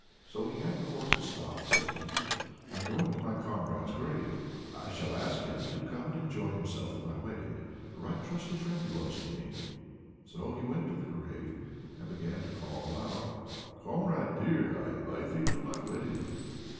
So he had the horses stopped, saying: "I'm going to my comrade's grave. I shall ask him to come and enjoy himself at my wedding. A right trusty friend was he to me." So he went to the grave and began to call aloud: "Comrade dear! I invite thee to my wedding."